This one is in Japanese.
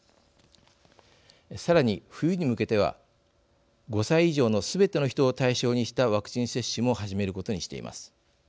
さらに、冬に向けては５歳以上のすべての人を対象にしたワクチン接種も始めることにしています。